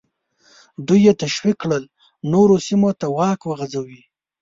دوی یې تشویق کړل نورو سیمو ته واک وغځوي.